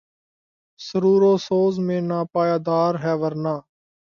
سرور و سوز میں ناپائیدار ہے ورنہ